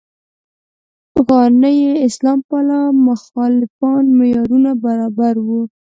نه یې اسلام پاله مخالفان معیارونو برابر وو.